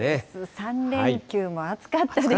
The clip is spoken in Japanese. ３連休も暑かったですけども。